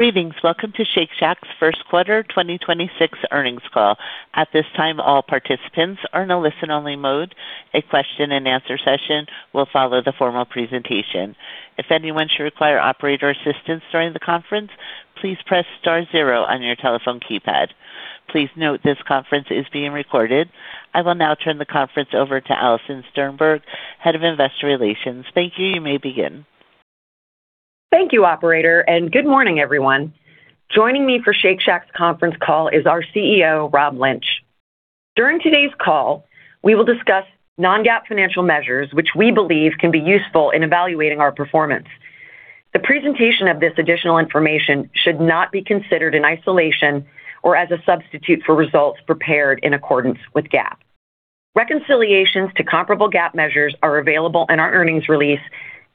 Greetings. Welcome to Shake Shack's first quarter 2026 earnings call. At this time, all participants are in a listen-only mode. A question-and-answer session will follow the formal presentation. If anyone should require operator assistance right in the conference, please star zero on your telephone keypad. Please note that this conference is being recorded. I will now turn the conference over to Alison Sternberg, Head of Investor Relations. Thank you. You may begin. Thank you, operator, and good morning, everyone. Joining me for Shake Shack's conference call is our CEO, Rob Lynch. During today's call, we will discuss non-GAAP financial measures, which we believe can be useful in evaluating our performance. The presentation of this additional information should not be considered in isolation or as a substitute for results prepared in accordance with GAAP. Reconciliations to comparable GAAP measures are available in our earnings release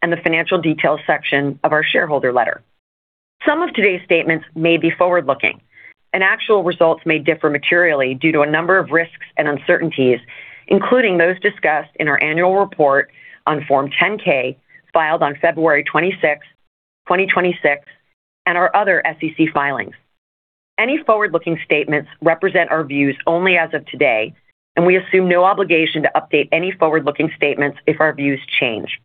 in the Financial Details section of our shareholder letter. Some of today's statements may be forward-looking and actual results may differ materially due to a number of risks and uncertainties, including those discussed in our annual report on Form 10-K filed on February 26, 2026, and our other SEC filings. Any forward-looking statements represent our views only as of today, and we assume no obligation to update any forward-looking statements if our views change.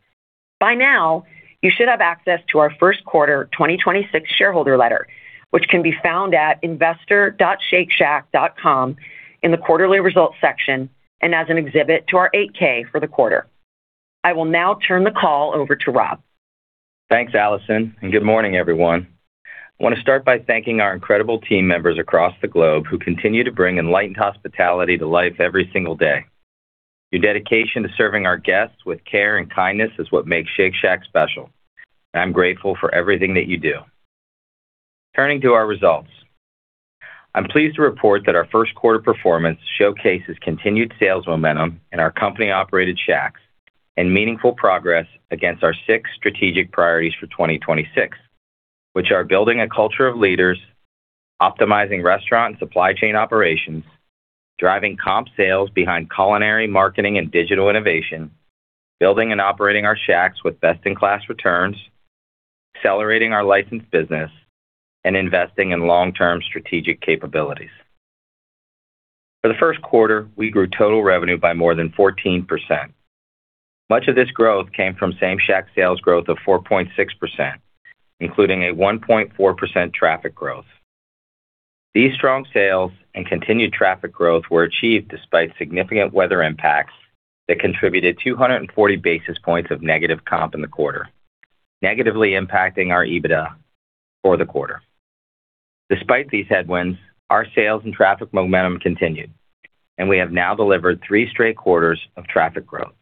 By now, you should have access to our first quarter 2026 shareholder letter, which can be found at investor.shakeshack.com in the Quarterly Results section and as an exhibit to our 8-K for the quarter. I will now turn the call over to Rob. Thanks, Alison. Good morning, everyone. I want to start by thanking our incredible team members across the globe who continue to bring enlightened hospitality to life every single day. Your dedication to serving our guests with care and kindness is what makes Shake Shack special. I'm grateful for everything that you do. Turning to our results. I'm pleased to report that our first quarter performance showcases continued sales momentum in our company-operated Shacks and meaningful progress against our six strategic priorities for 2026, which are building a culture of leaders, optimizing restaurant and supply chain operations, driving comp sales behind culinary, marketing, and digital innovation, building and operating our Shacks with best-in-class returns, accelerating our licensed business, and investing in long-term strategic capabilities. For the first quarter, we grew total revenue by more than 14%. Much of this growth came from same Shack sales growth of 4.6%, including a 1.4% traffic growth. These strong sales and continued traffic growth were achieved despite significant weather impacts that contributed 240 basis points of negative comp in the quarter, negatively impacting our EBITDA for the quarter. Despite these headwinds, our sales and traffic momentum continued, and we have now delivered three straight quarters of traffic growth.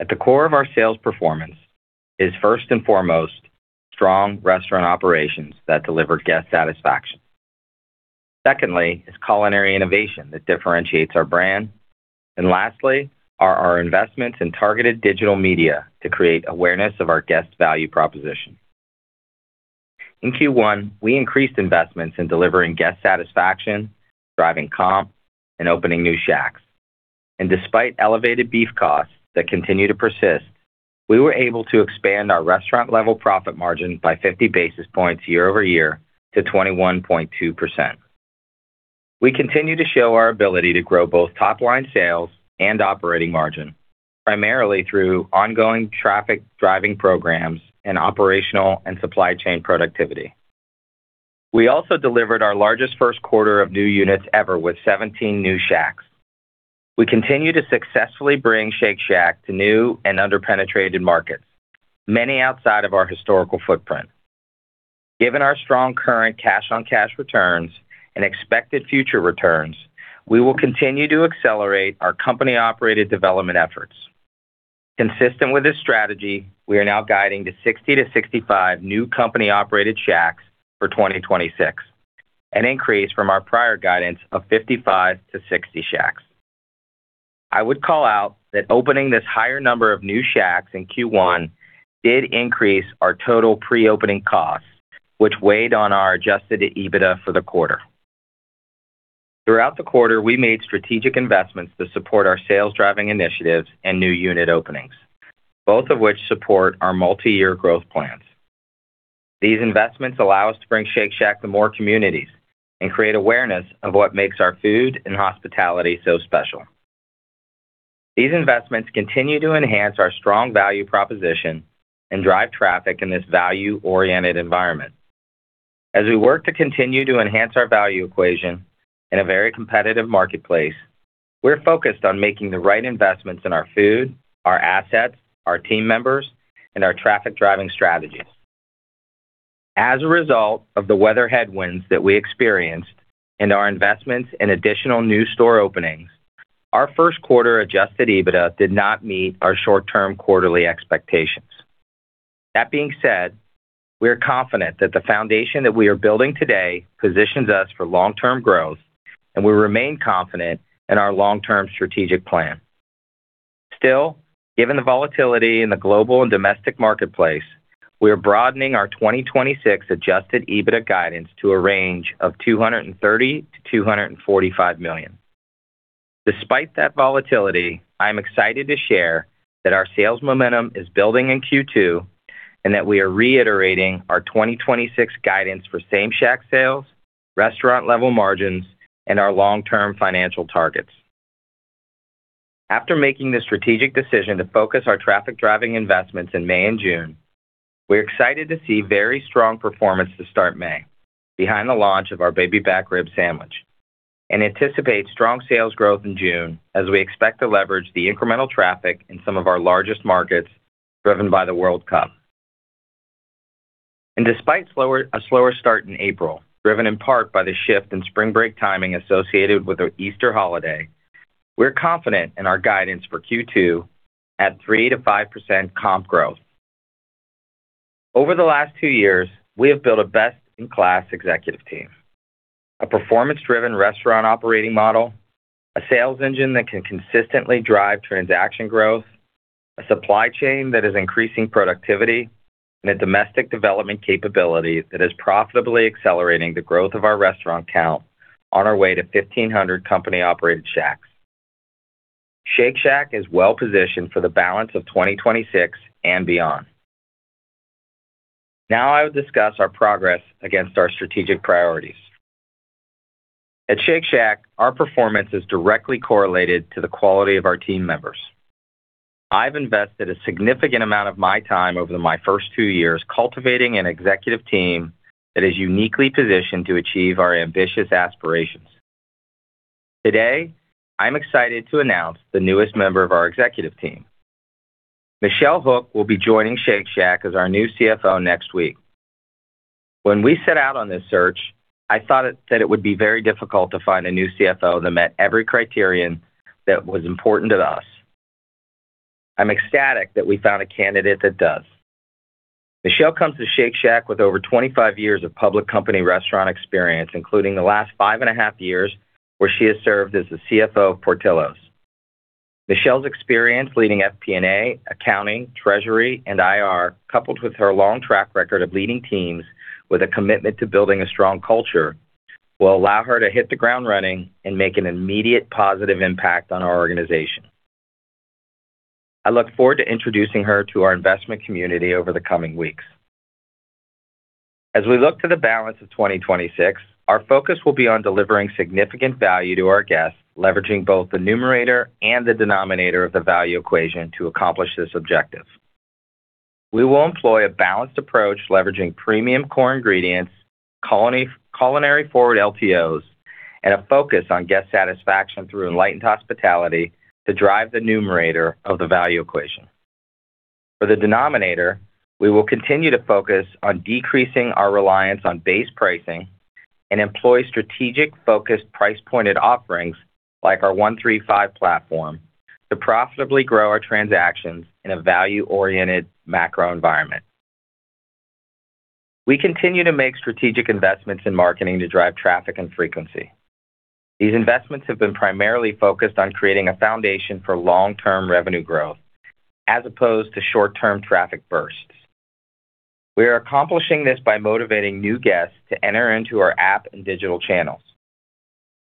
At the core of our sales performance is first and foremost, strong restaurant operations that deliver guest satisfaction. Secondly is culinary innovation that differentiates our brand. Lastly are our investments in targeted digital media to create awareness of our guest value proposition. In Q1, we increased investments in delivering guest satisfaction, driving comp, and opening new Shacks. Despite elevated beef costs that continue to persist, we were able to expand our restaurant-level profit margin by 50 basis points year-over-year to 21.2%. We continue to show our ability to grow both top-line sales and operating margin, primarily through ongoing traffic-driving programs and operational and supply chain productivity. We also delivered our largest first quarter of new units ever with 17 new Shacks. We continue to successfully bring Shake Shack to new and under-penetrated markets, many outside of our historical footprint. Given our strong current cash-on-cash returns and expected future returns, we will continue to accelerate our company-operated development efforts. Consistent with this strategy, we are now guiding to 60-65 new company-operated Shacks for 2026, an increase from our prior guidance of 55-60 Shacks. I would call out that opening this higher number of new Shacks in Q1 did increase our total pre-opening costs, which weighed on our adjusted EBITDA for the quarter. Throughout the quarter, we made strategic investments to support our sales driving initiatives and new unit openings, both of which support our multi-year growth plans. These investments allow us to bring Shake Shack to more communities and create awareness of what makes our food and hospitality so special. These investments continue to enhance our strong value proposition and drive traffic in this value-oriented environment. As we work to continue to enhance our value equation in a very competitive marketplace, we're focused on making the right investments in our food, our assets, our team members, and our traffic driving strategies. As a result of the weather headwinds that we experienced and our investments in additional new store openings, our first quarter adjusted EBITDA did not meet our short-term quarterly expectations. That being said, we are confident that the foundation that we are building today positions us for long-term growth, and we remain confident in our long-term strategic plan. Still, given the volatility in the global and domestic marketplace, we are broadening our 2026 adjusted EBITDA guidance to a range of $230 million-$245 million. Despite that volatility, I'm excited to share that our sales momentum is building in Q2 and that we are reiterating our 2026 guidance for same Shack sales, restaurant-level margins, and our long-term financial targets. After making the strategic decision to focus our traffic-driving investments in May and June, we're excited to see very strong performance to start May behind the launch of our Baby Back Rib Sandwich and anticipate strong sales growth in June as we expect to leverage the incremental traffic in some of our largest markets driven by the World Cup. Despite a slower start in April, driven in part by the shift in spring break timing associated with the Easter holiday, we're confident in our guidance for Q2 at 3%-5% comp growth. Over the last two years, we have built a best-in-class executive team, a performance-driven restaurant operating model, a sales engine that can consistently drive transaction growth, a supply chain that is increasing productivity, and a domestic development capability that is profitably accelerating the growth of our restaurant count on our way to 1,500 company-operated Shacks. Shake Shack is well-positioned for the balance of 2026 and beyond. Now I will discuss our progress against our strategic priorities. At Shake Shack, our performance is directly correlated to the quality of our team members. I've invested a significant amount of my time over my first two years cultivating an executive team that is uniquely positioned to achieve our ambitious aspirations. Today, I'm excited to announce the newest member of our executive team. Michelle Hook will be joining Shake Shack as our new CFO next week. When we set out on this search, I thought that it would be very difficult to find a new CFO that met every criterion that was important to us. I'm ecstatic that we found a candidate that does. Michelle comes to Shake Shack with over 25 years of public company restaurant experience, including the last five and a half years where she has served as the CFO of Portillo's. Michelle's experience leading FP&A, accounting, treasury, and IR, coupled with her long track record of leading teams with a commitment to building a strong culture, will allow her to hit the ground running and make an immediate positive impact on our organization. I look forward to introducing her to our investment community over the coming weeks. As we look to the balance of 2026, our focus will be on delivering significant value to our guests, leveraging both the numerator and the denominator of the value equation to accomplish this objective. We will employ a balanced approach, leveraging premium core ingredients, culinary-forward LTOs, and a focus on guest satisfaction through enlightened hospitality to drive the numerator of the value equation. For the denominator, we will continue to focus on decreasing our reliance on base pricing and employ strategic, focused, price-pointed offerings like our 1-3-5 platform to profitably grow our transactions in a value-oriented macro environment. We continue to make strategic investments in marketing to drive traffic and frequency. These investments have been primarily focused on creating a foundation for long-term revenue growth as opposed to short-term traffic bursts. We are accomplishing this by motivating new guests to enter into our app and digital channels.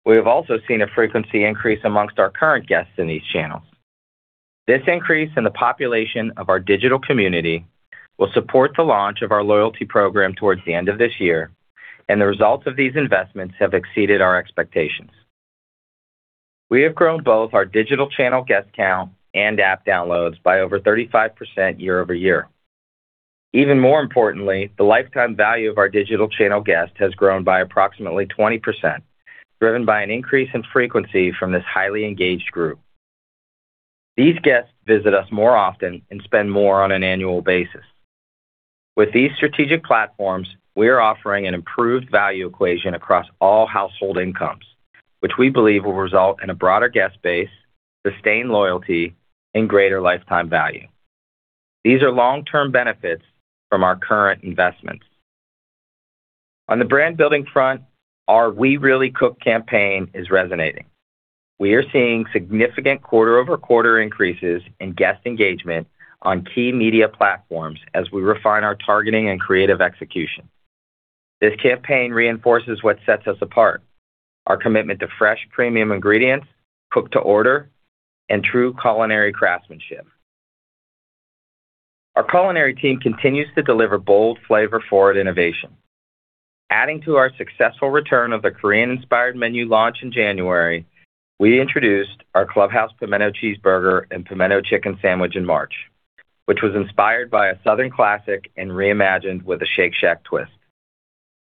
We have also seen a frequency increase amongst our current guests in these channels. This increase in the population of our digital community will support the launch of our loyalty program towards the end of this year. The results of these investments have exceeded our expectations. We have grown both our digital channel guest count and app downloads by over 35% year-over-year. Even more importantly, the lifetime value of our digital channel guest has grown by approximately 20%, driven by an increase in frequency from this highly engaged group. These guests visit us more often and spend more on an annual basis. With these strategic platforms, we are offering an improved value equation across all household incomes, which we believe will result in a broader guest base, sustained loyalty, and greater lifetime value. These are long-term benefits from our current investments. On the brand-building front, our We Really Cook campaign is resonating. We are seeing significant quarter-over-quarter increases in guest engagement on key media platforms as we refine our targeting and creative execution. This campaign reinforces what sets us apart: our commitment to fresh, premium ingredients, cook-to-order, and true culinary craftsmanship. Our culinary team continues to deliver bold, flavor-forward innovation. Adding to our successful return of the Korean-inspired menu launch in January, we introduced our Clubhouse Pimento Cheeseburger and Pimento Chicken Sandwich in March, which was inspired by a Southern classic and reimagined with a Shake Shack twist.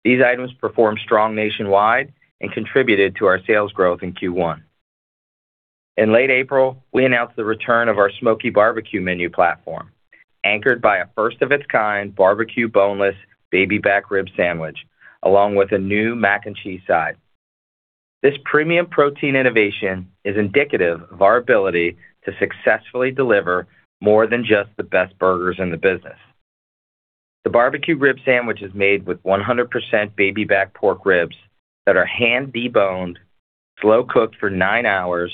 These items performed strong nationwide and contributed to our sales growth in Q1. In late April, we announced the return of our smoky barbecue menu platform, anchored by a first-of-its-kind BBQ Boneless Baby Back Rib Sandwich, along with a new Mac & Cheese side. This premium protein innovation is indicative of our ability to successfully deliver more than just the best burgers in the business. The barbecue rib sandwich is made with 100% baby back pork ribs that are hand deboned, slow-cooked for nine hours,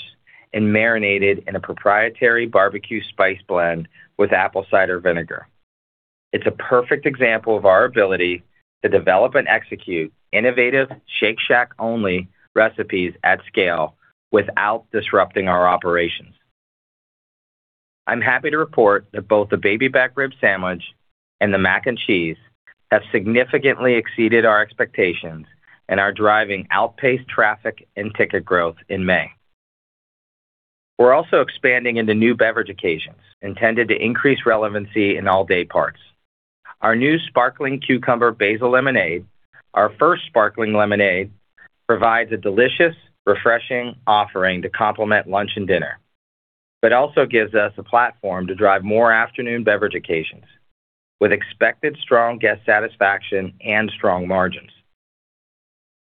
and marinated in a proprietary barbecue spice blend with apple cider vinegar. It's a perfect example of our ability to develop and execute innovative Shake Shack only recipes at scale without disrupting our operations. I'm happy to report that both the Baby Back Rib Sandwich and the Mac & Cheese have significantly exceeded our expectations and are driving outpaced traffic and ticket growth in May. We are also expanding into new beverage occasions intended to increase relevancy in all day parts. Our new sparkling cucumber basil lemonade, our first sparkling lemonade, provides a delicious, refreshing offering to complement lunch and dinner, but also gives us a platform to drive more afternoon beverage occasions with expected strong guest satisfaction and strong margins.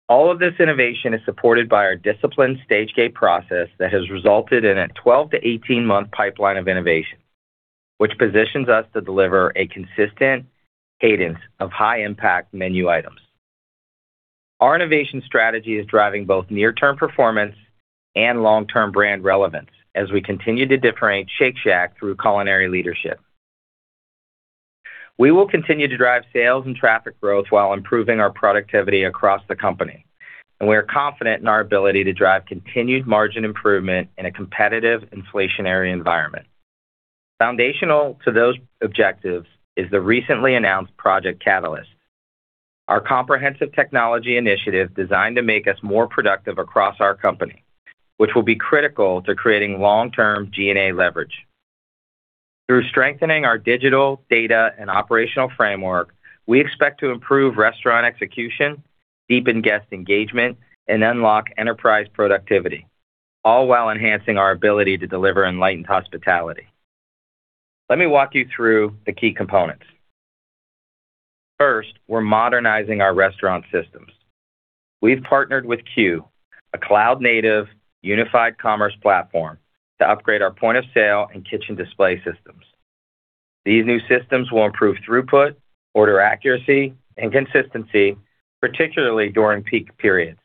All of this innovation is supported by our disciplined stage gate process that has resulted in a 12 to 18-month pipeline of innovation, which positions us to deliver a consistent cadence of high-impact menu items. Our innovation strategy is driving both near-term performance and long-term brand relevance as we continue to differentiate Shake Shack through culinary leadership. We will continue to drive sales and traffic growth while improving our productivity across the company, and we are confident in our ability to drive continued margin improvement in a competitive inflationary environment. Foundational to those objectives is the recently announced Project Catalyst, our comprehensive technology initiative designed to make us more productive across our company, which will be critical to creating long-term G&A leverage. Through strengthening our digital data and operational framework, we expect to improve restaurant execution, deepen guest engagement, and unlock enterprise productivity, all while enhancing our ability to deliver enlightened hospitality. Let me walk you through the key components. First, we're modernizing our restaurant systems. We've partnered with Qu, a cloud-native unified commerce platform, to upgrade our point of sale and kitchen display systems. These new systems will improve throughput, order accuracy, and consistency, particularly during peak periods.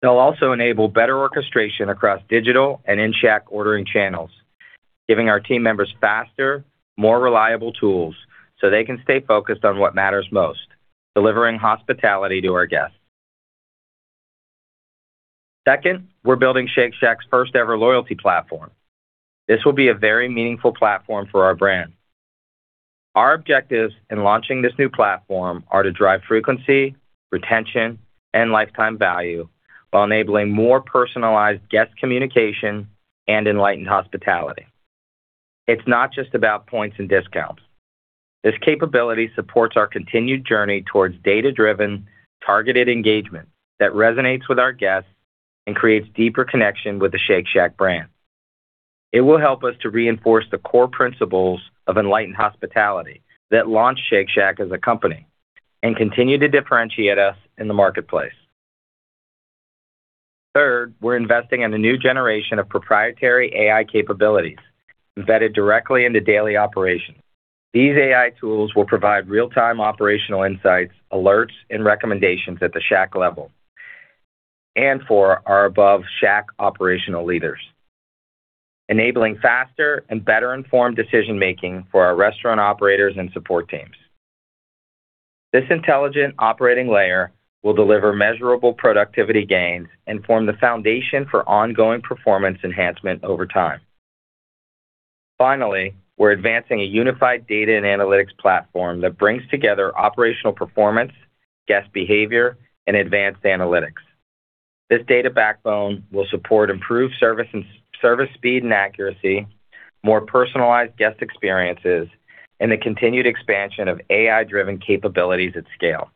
They'll also enable better orchestration across digital and in-Shack ordering channels, giving our team members faster, more reliable tools so they can stay focused on what matters most, delivering hospitality to our guests. Second, we're building Shake Shack's first ever loyalty platform. This will be a very meaningful platform for our brand. Our objectives in launching this new platform are to drive frequency, retention, and lifetime value while enabling more personalized guest communication and enlightened hospitality. It's not just about points and discounts. This capability supports our continued journey towards data-driven, targeted engagement that resonates with our guests and creates deeper connection with the Shake Shack brand. It will help us to reinforce the core principles of enlightened hospitality that launched Shake Shack as a company and continue to differentiate us in the marketplace. Third, we're investing in a new generation of proprietary AI capabilities embedded directly into daily operations. These AI tools will provide real-time operational insights, alerts, and recommendations at the Shack level and for our above Shack operational leaders, enabling faster and better informed decision-making for our restaurant operators and support teams. This intelligent operating layer will deliver measurable productivity gains and form the foundation for ongoing performance enhancement over time. Finally, we're advancing a unified data and analytics platform that brings together operational performance, guest behavior, and advanced analytics. This data backbone will support improved service speed and accuracy, more personalized guest experiences, and the continued expansion of AI-driven capabilities at scale.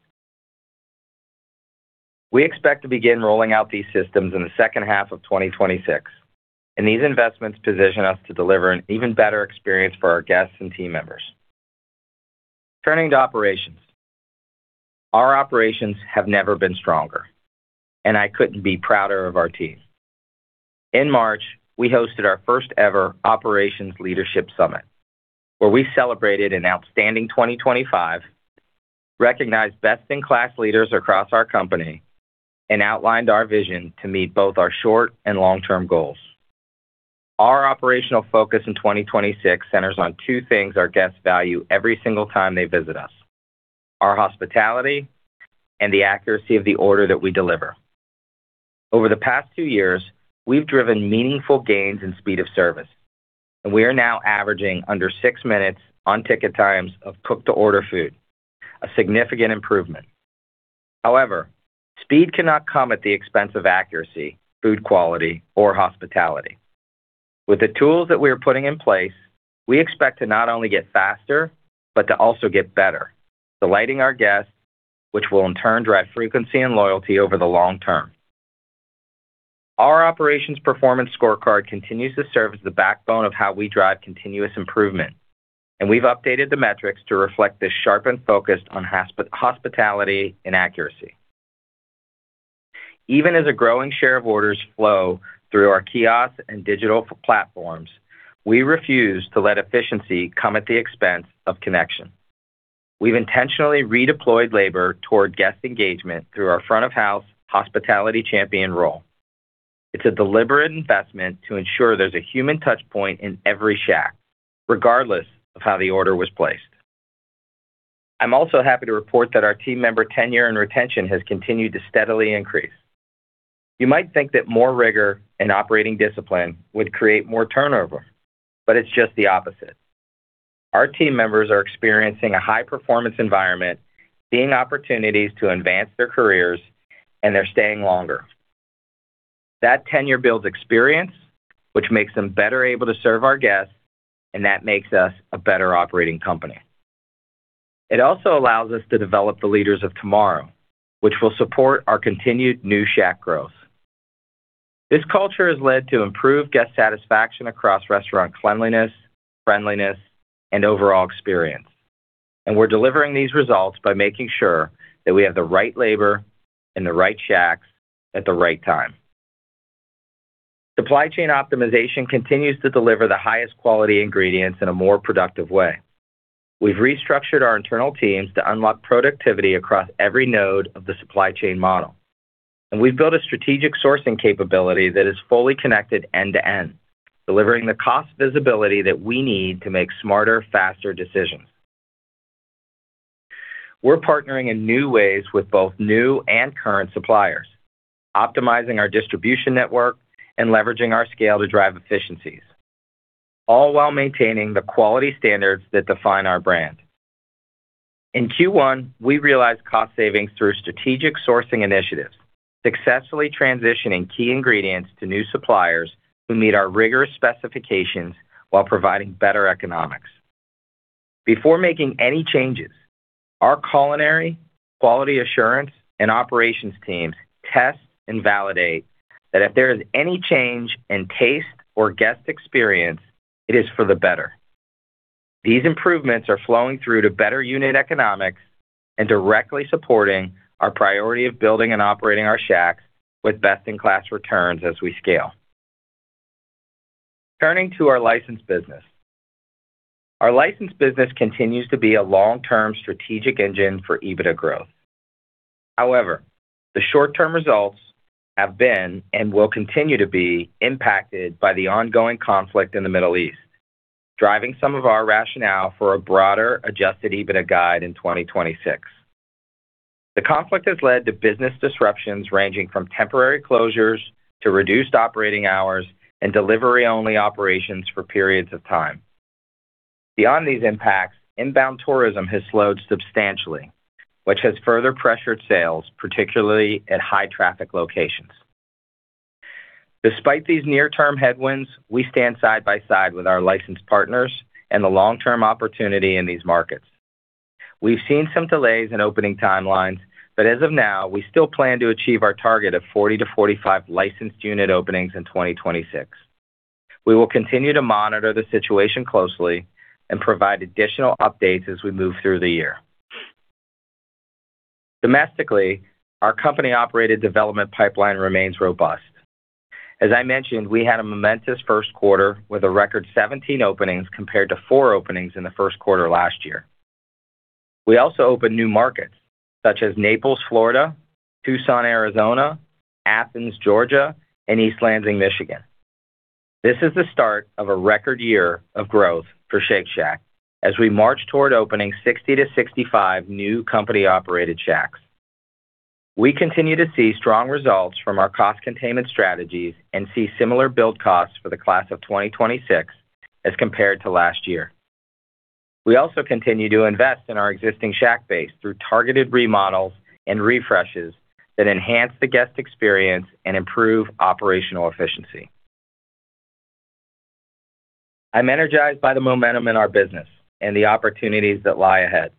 We expect to begin rolling out these systems in the second half of 2026. These investments position us to deliver an even better experience for our guests and team members. Turning to operations. Our operations have never been stronger, and I couldn't be prouder of our team. In March, we hosted our first ever Operations Leadership Summit, where we celebrated an outstanding 2025, recognized best-in-class leaders across our company, and outlined our vision to meet both our short and long-term goals. Our operational focus in 2026 centers on two things our guests value every single time they visit us: our hospitality and the accuracy of the order that we deliver. Over the past two years, we've driven meaningful gains in speed of service, and we are now averaging under six minutes on ticket times of cook to order food, a significant improvement. However, speed cannot come at the expense of accuracy, food quality, or hospitality. With the tools that we are putting in place, we expect to not only get faster, but to also get better, delighting our guests, which will in turn drive frequency and loyalty over the long term. Our operations performance scorecard continues to serve as the backbone of how we drive continuous improvement. We've updated the metrics to reflect this sharpened focus on hospitality and accuracy. Even as a growing share of orders flow through our kiosks and digital platforms, we refuse to let efficiency come at the expense of connection. We've intentionally redeployed labor toward guest engagement through our front of house hospitality champion role. It's a deliberate investment to ensure there's a human touchpoint in every Shack, regardless of how the order was placed. I'm also happy to report that our team member tenure and retention has continued to steadily increase. You might think that more rigor and operating discipline would create more turnover. It's just the opposite. Our team members are experiencing a high-performance environment, seeing opportunities to advance their careers. They're staying longer. That tenure builds experience, which makes them better able to serve our guests, and that makes us a better operating company. It also allows us to develop the leaders of tomorrow, which will support our continued new Shack growth. This culture has led to improved guest satisfaction across restaurant cleanliness, friendliness, and overall experience, and we're delivering these results by making sure that we have the right labor in the right Shacks at the right time. Supply chain optimization continues to deliver the highest quality ingredients in a more productive way. We've restructured our internal teams to unlock productivity across every node of the supply chain model, and we've built a strategic sourcing capability that is fully connected end-to-end, delivering the cost visibility that we need to make smarter, faster decisions. We're partnering in new ways with both new and current suppliers, optimizing our distribution network and leveraging our scale to drive efficiencies, all while maintaining the quality standards that define our brand. In Q1, we realized cost savings through strategic sourcing initiatives, successfully transitioning key ingredients to new suppliers who meet our rigorous specifications while providing better economics. Before making any changes, our culinary, quality assurance, and operations teams test and validate that if there is any change in taste or guest experience, it is for the better. These improvements are flowing through to better unit economics and directly supporting our priority of building and operating our Shacks with best-in-class returns as we scale. Turning to our licensed business. Our licensed business continues to be a long-term strategic engine for EBITDA growth. However, the short-term results have been and will continue to be impacted by the ongoing conflict in the Middle East, driving some of our rationale for a broader adjusted EBITDA guide in 2026. The conflict has led to business disruptions ranging from temporary closures to reduced operating hours and delivery-only operations for periods of time. Beyond these impacts, inbound tourism has slowed substantially, which has further pressured sales, particularly at high-traffic locations. Despite these near-term headwinds, we stand side by side with our licensed partners and the long-term opportunity in these markets. We've seen some delays in opening timelines, but as of now, we still plan to achieve our target of 40-45 licensed unit openings in 2026. We will continue to monitor the situation closely and provide additional updates as we move through the year. Domestically, our company-operated development pipeline remains robust. As I mentioned, we had a momentous first quarter with a record 17 openings compared to four openings in the first quarter last year. We also opened new markets such as Naples, Florida, Tucson, Arizona, Athens, Georgia, and East Lansing, Michigan. This is the start of a record year of growth for Shake Shack as we march toward opening 60-65 new company-operated Shacks. We continue to see strong results from our cost containment strategies and see similar build costs for the class of 2026 as compared to last year. We also continue to invest in our existing Shack base through targeted remodels and refreshes that enhance the guest experience and improve operational efficiency. I'm energized by the momentum in our business and the opportunities that lie ahead.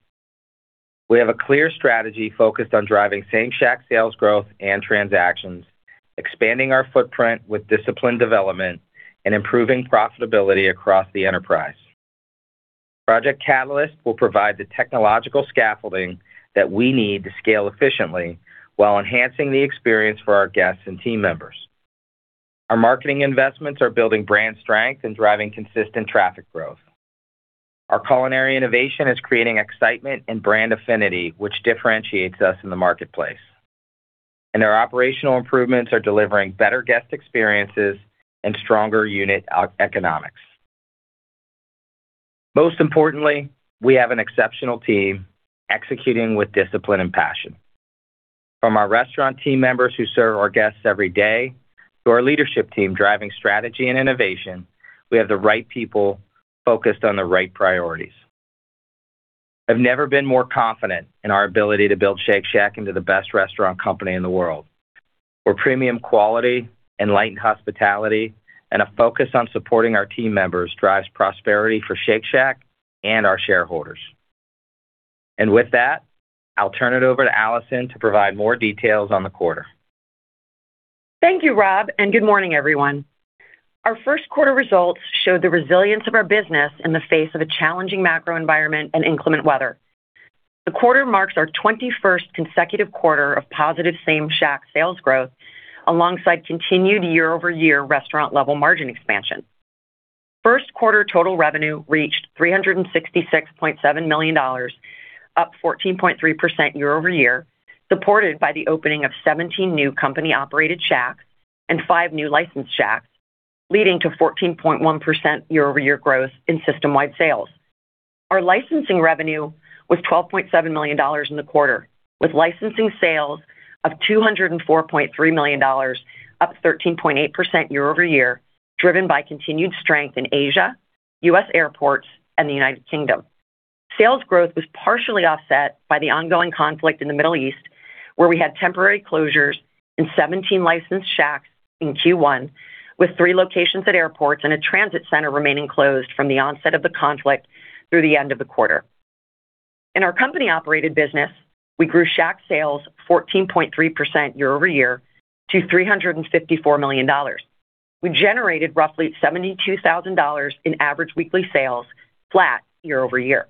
We have a clear strategy focused on driving same Shack sales growth and transactions, expanding our footprint with disciplined development, and improving profitability across the enterprise. Project Catalyst will provide the technological scaffolding that we need to scale efficiently while enhancing the experience for our guests and team members. Our marketing investments are building brand strength and driving consistent traffic growth. Our culinary innovation is creating excitement and brand affinity, which differentiates us in the marketplace. Our operational improvements are delivering better guest experiences and stronger unit economics. Most importantly, we have an exceptional team executing with discipline and passion. From our restaurant team members who serve our guests every day to our leadership team driving strategy and innovation, we have the right people focused on the right priorities. I've never been more confident in our ability to build Shake Shack into the best restaurant company in the world, where premium quality, enlightened hospitality, and a focus on supporting our team members drives prosperity for Shake Shack and our shareholders. With that, I'll turn it over to Alison to provide more details on the quarter. Thank you, Rob, and good morning, everyone. Our first quarter results show the resilience of our business in the face of a challenging macro environment and inclement weather. The quarter marks our 21st consecutive quarter of positive same Shack sales growth alongside continued year-over-year restaurant level margin expansion. First quarter total revenue reached $366.7 million, up 14.3% year-over-year, supported by the opening of 17 new company-operated Shacks and five new licensed Shacks, leading to 14.1% year-over-year growth in system-wide sales. Our licensing revenue was $12.7 million in the quarter, with licensing sales of $204.3 million, up 13.8% year-over-year, driven by continued strength in Asia, U.S. airports, and the United Kingdom. Sales growth was partially offset by the ongoing conflict in the Middle East, where we had temporary closures in 17 licensed Shacks in Q1, with three locations at airports and a transit center remaining closed from the onset of the conflict through the end of the quarter. In our company-operated business, we grew Shack sales 14.3% year-over-year to $354 million. We generated roughly $72,000 in average weekly sales, flat year-over-year.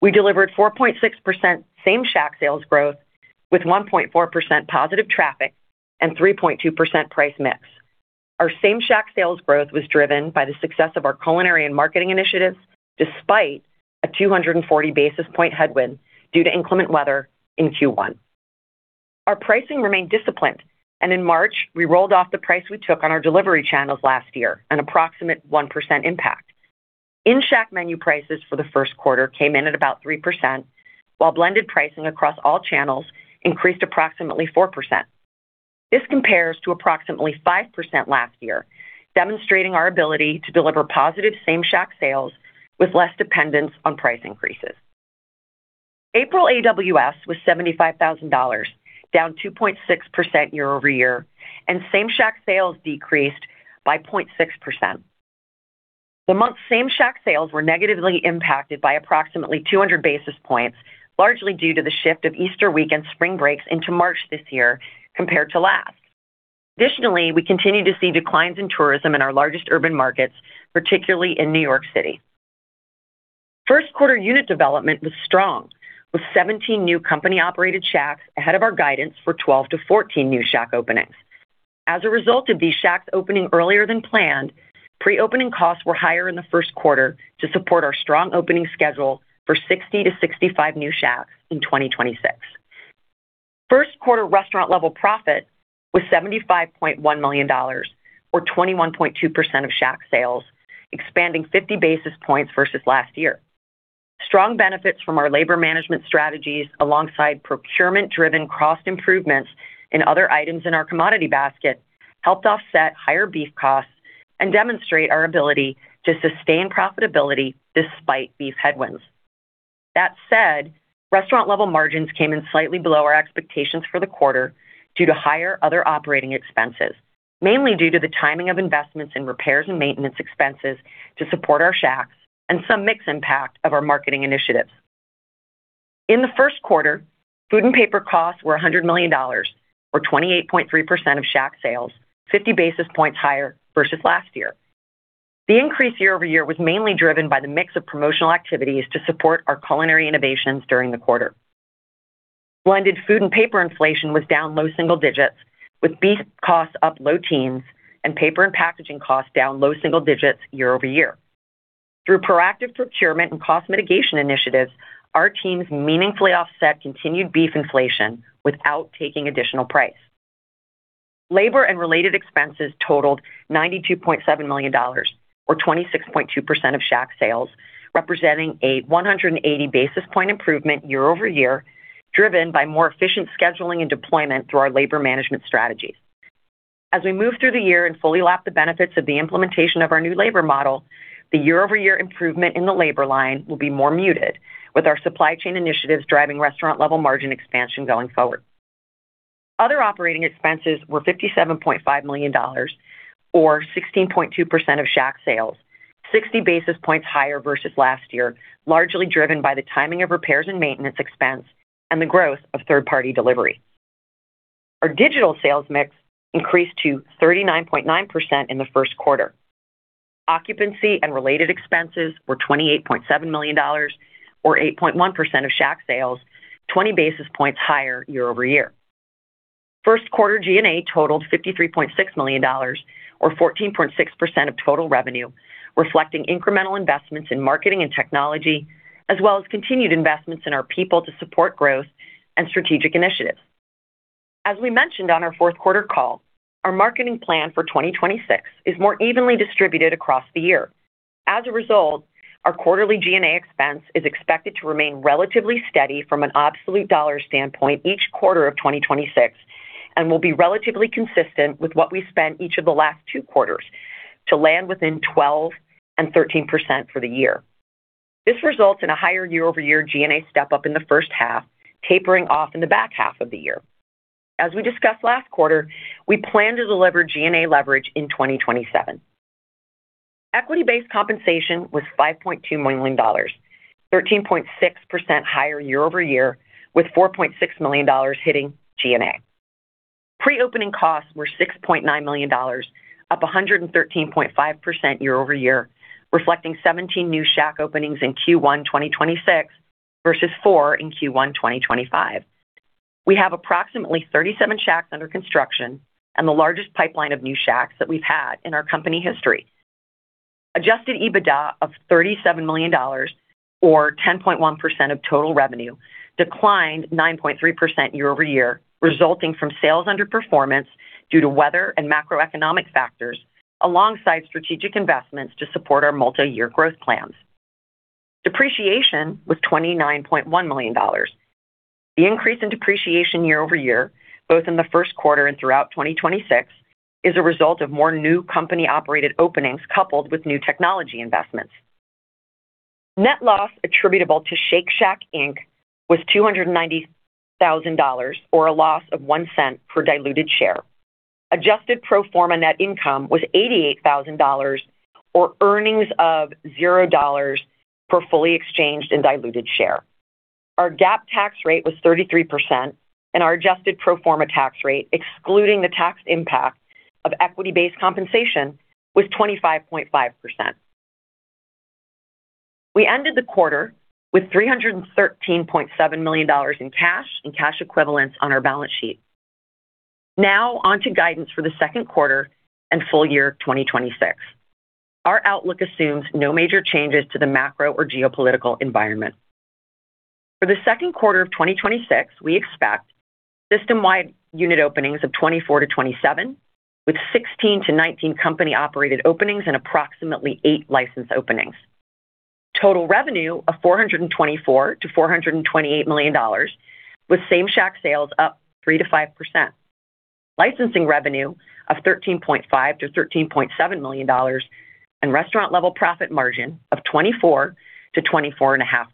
We delivered 4.6% same Shack sales growth with 1.4% positive traffic and 3.2% price mix. Our same Shack sales growth was driven by the success of our culinary and marketing initiatives despite a 240 basis point headwind due to inclement weather in Q1. Our pricing remained disciplined. In March, we rolled off the price we took on our delivery channels last year, an approximate 1% impact. In-Shack menu prices for the first quarter came in at about 3%, while blended pricing across all channels increased approximately 4%. This compares to approximately 5% last year, demonstrating our ability to deliver positive same Shack sales with less dependence on price increases. April AWS was $75,000, down 2.6% year-over-year. Same Shack sales decreased by 0.6%. The month's same Shack sales were negatively impacted by approximately 200 basis points, largely due to the shift of Easter week and spring breaks into March this year compared to last. We continue to see declines in tourism in our largest urban markets, particularly in New York City. First quarter unit development was strong, with 17 new company-operated Shacks ahead of our guidance for 12-14 new Shack openings. As a result of these Shacks opening earlier than planned, pre-opening costs were higher in the first quarter to support our strong opening schedule for 60-65 new Shacks in 2026. First quarter restaurant-level profit was $75.1 million, or 21.2% of Shack sales, expanding 50 basis points versus last year. Strong benefits from our labor management strategies alongside procurement-driven cost improvements in other items in our commodity basket helped offset higher beef costs and demonstrate our ability to sustain profitability despite beef headwinds. That said, restaurant-level margins came in slightly below our expectations for the quarter due to higher other operating expenses, mainly due to the timing of investments in repairs and maintenance expenses to support our Shacks and some mix impact of our marketing initiatives. In the first quarter, food and paper costs were $100 million, or 28.3% of Shack sales, 50 basis points higher versus last year. The increase year-over-year was mainly driven by the mix of promotional activities to support our culinary innovations during the quarter. Blended food and paper inflation was down low single digits, with beef costs up low teens and paper and packaging costs down low single digits year-over-year. Through proactive procurement and cost mitigation initiatives, our teams meaningfully offset continued beef inflation without taking additional price. Labor and related expenses totaled $92.7 million, or 26.2% of Shack sales, representing a 180 basis point improvement year-over-year, driven by more efficient scheduling and deployment through our labor management strategies. As we move through the year and fully lap the benefits of the implementation of our new labor model, the year-over-year improvement in the labor line will be more muted, with our supply chain initiatives driving restaurant-level margin expansion going forward. Other operating expenses were $57.5 million, or 16.2% of Shack sales, 60 basis points higher versus last year, largely driven by the timing of repairs and maintenance expense and the growth of third-party delivery. Our digital sales mix increased to 39.9% in the first quarter. Occupancy and related expenses were $28.7 million, or 8.1% of Shack sales, 20 basis points higher year-over-year. First quarter G&A totaled $53.6 million, or 14.6% of total revenue, reflecting incremental investments in marketing and technology, as well as continued investments in our people to support growth and strategic initiatives. As we mentioned on our fourth quarter call, our marketing plan for 2026 is more evenly distributed across the year. As a result, our quarterly G&A expense is expected to remain relatively steady from an absolute dollar standpoint each quarter of 2026 and will be relatively consistent with what we spent each of the last two quarters to land within 12%-13% for the year. This results in a higher year-over-year G&A step-up in the first half, tapering off in the back half of the year. As we discussed last quarter, we plan to deliver G&A leverage in 2027. Equity-based compensation was $5.2 million, 13.6% higher year-over-year, with $4.6 million hitting G&A. Pre-opening costs were $6.9 million, up 113.5% year-over-year, reflecting 17 new Shack openings in Q1 2026 versus four in Q1 2025. We have approximately 37 Shacks under construction and the largest pipeline of new Shacks that we've had in our company history. Adjusted EBITDA of $37 million, or 10.1% of total revenue, declined 9.3% year-over-year, resulting from sales underperformance due to weather and macroeconomic factors, alongside strategic investments to support our multi-year growth plans. Depreciation was $29.1 million. The increase in depreciation year-over-year, both in the first quarter and throughout 2026, is a result of more new company-operated openings coupled with new technology investments. Net loss attributable to Shake Shack Inc was $290,000, or a loss of $0.01 per diluted share. Adjusted pro forma net income was $88,000, or earnings of $0 per fully exchanged and diluted share. Our GAAP tax rate was 33%, and our adjusted pro forma tax rate, excluding the tax impact of equity-based compensation, was 25.5%. We ended the quarter with $313.7 million in cash and cash equivalents on our balance sheet. Now on to guidance for the second quarter and full year 2026. Our outlook assumes no major changes to the macro or geopolitical environment. For the second quarter of 2026, we expect system-wide unit openings of 24-27, with 16-19 company-operated openings and approximately eight licensed openings. Total revenue of $424 million-$428 million, with same Shack sales up 3%-5%. Licensing revenue of $13.5 million-$13.7 million, and restaurant-level profit margin of 24%-24.5%.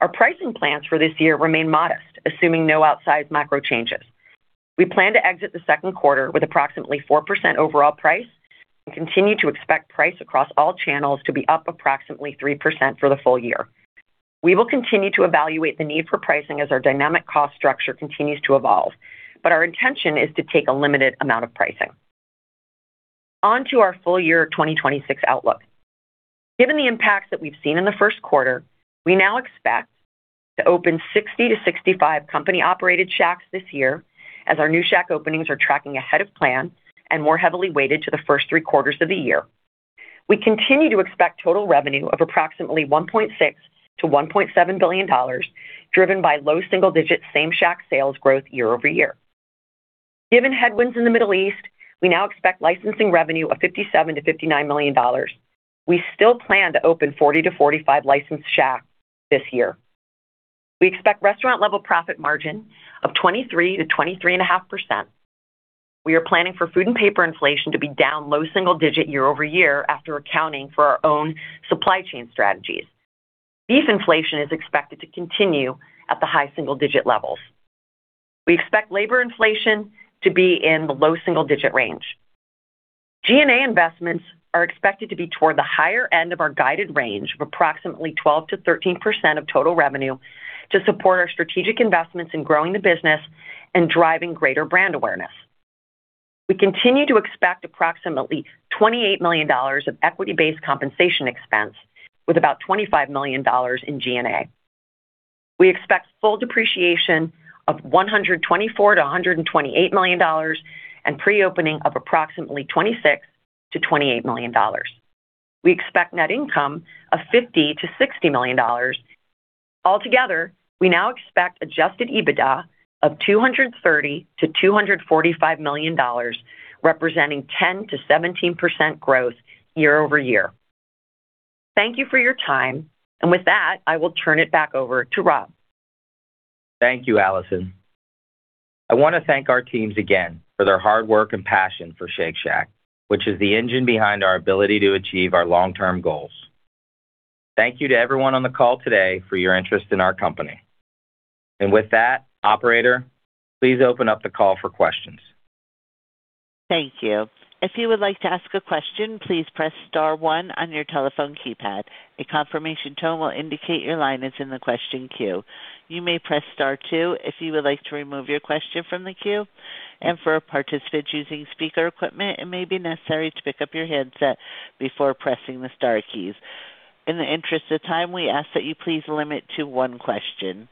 Our pricing plans for this year remain modest, assuming no outsized macro changes. We plan to exit the second quarter with approximately 4% overall price and continue to expect price across all channels to be up approximately 3% for the full year. We will continue to evaluate the need for pricing as our dynamic cost structure continues to evolve, but our intention is to take a limited amount of pricing. On to our full year 2026 outlook. Given the impacts that we've seen in the first quarter, we now expect to open 60-65 company-operated Shacks this year, as our new Shack openings are tracking ahead of plan and more heavily weighted to the first three quarters of the year. We continue to expect total revenue of approximately $1.6 billion-$1.7 billion, driven by low single-digit same Shack sales growth year-over-year. Given headwinds in the Middle East, we now expect licensing revenue of $57 million-$59 million. We still plan to open 40 to 45 licensed Shacks this year. We expect restaurant-level profit margin of 23%-23.5%. We are planning for food and paper inflation to be down low single-digit year-over-year after accounting for our own supply chain strategies. Beef inflation is expected to continue at the high single-digit levels. We expect labor inflation to be in the low single-digit range. G&A investments are expected to be toward the higher end of our guided range of approximately 12%-13% of total revenue to support our strategic investments in growing the business and driving greater brand awareness. We continue to expect approximately $28 million of equity-based compensation expense with about $25 million in G&A. We expect full depreciation of $124 million-$128 million and pre-opening of approximately $26 million-$28 million. We expect net income of $50 million-$60 million. Altogether, we now expect adjusted EBITDA of $230 million-$245 million, representing 10%-17% growth year-over-year. Thank you for your time, and with that, I will turn it back over to Rob. Thank you, Alison. I want to thank our teams again for their hard work and passion for Shake Shack, which is the engine behind our ability to achieve our long-term goals. Thank you to everyone on the call today for your interest in our company. With that, operator, please open up the call for questions. Thank you. If you would like to ask a question, please press star one on your telephone keypad. A confirmation tone will indicate your line is in the question queue. You may press star two if you would like to remove your question from the queue. For participants using speaker equipment, it may be necessary to pick up your headset before pressing the star keys. In the interest of time, we ask that you please limit to one question.